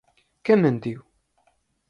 Quen mentiu?